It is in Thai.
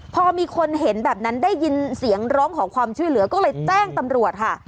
พอมีคนเห็นแบบนั้นได้ยินเสียงร้องขอความช่วยเหลือก็เลยแจ้งตำรวจค่ะ